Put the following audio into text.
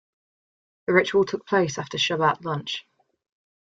The ritual took place after Shabbat lunch.